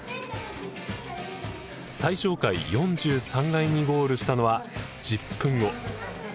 最上階４３階にゴールしたのは１０分後。